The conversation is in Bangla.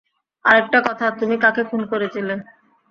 আরেকটা কথা, তুমি কাকে খুন করেছিলে?